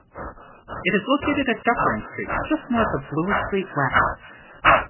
It is located at Dufferin Street just north of Bloor Street West.